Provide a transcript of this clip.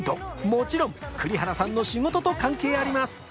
もちろん栗原さんの仕事と関係あります